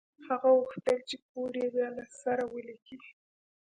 هغه غوښتل چې کوډ یې بیا له سره ولیکي